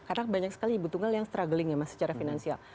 karena banyak sekali ibu tunggal yang struggling ya mas secara finansial